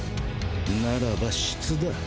ならば質だ。